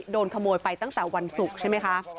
โดนขโมยไปตั้งแต่วันศุกร์ใช่ไหมคะ